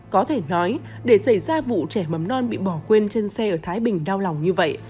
có thể nói để xảy ra vụ trẻ mầm non bị bỏ quên trên xe ở thái bình đau lòng như vậy